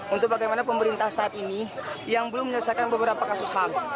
untuk bagaimana pemerintah saat ini yang belum menyelesaikan beberapa kasus ham